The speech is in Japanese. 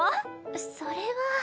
それは。